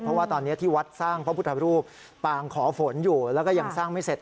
เพราะว่าตอนนี้ที่วัดสร้างพระพุทธรูปปางขอฝนอยู่แล้วก็ยังสร้างไม่เสร็จ